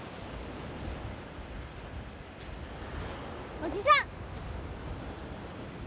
おじさん！